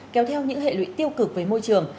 kéo theo những hệ lụy tiêu cực với môi trường